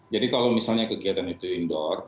jadi kalau misalnya kegiatan itu indoor